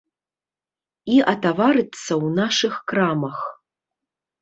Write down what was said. І атаварыцца ў нашых крамах.